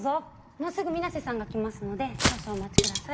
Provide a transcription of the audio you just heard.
もうすぐ皆瀬さんが来ますので少々お待ち下さい。